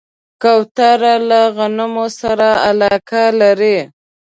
کوتره له غنمو سره علاقه لري.